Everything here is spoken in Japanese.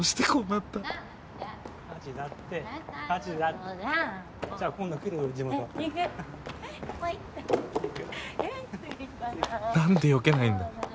なんでよけないんだ。